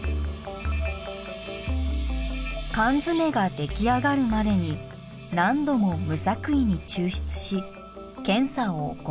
かんづめが出来上がるまでに何度も無作為に抽出し検査を行う。